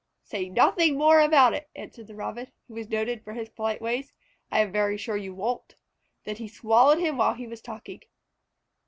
"Say nothing more about it," answered the Robin, who was noted for his polite ways; "I am very sure you won't." Then he swallowed him while he was talking.